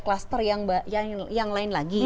kluster yang lain lagi